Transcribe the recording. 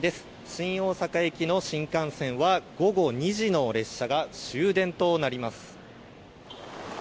新大阪行きの新幹線は午後２時の列車が終電となります。